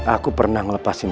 aku ingin menekanku